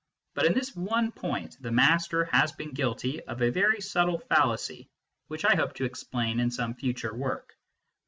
But in this one point, the master has been guilty of a very subtle fallacy, which I hope to explain in some future work.